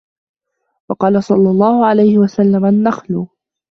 وَقَالَ صَلَّى اللَّهُ عَلَيْهِ وَسَلَّمَ النَّخْلُ